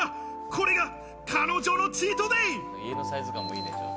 これが彼女のチートデイ。